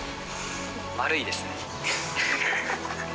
丸いですね。